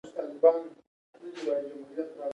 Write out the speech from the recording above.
بله طریقه د شعور او مطالعې په مرسته ده.